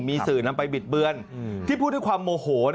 มีสื่อนำไปบิดเบือนที่พูดด้วยความโมโห